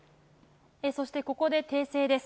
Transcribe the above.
そしてここで訂正です。